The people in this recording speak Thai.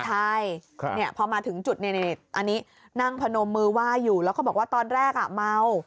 ใช่พอมาถึงจุดอันนี้นั่งพนมมือไหว้อยู่แล้วก็บอกว่าตอนแรกเมา